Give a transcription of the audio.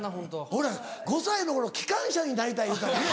俺５歳の頃機関車になりたい言うてたもんね。